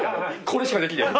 これしかできねえ。